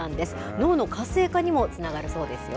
脳の活性化にもつながるそうです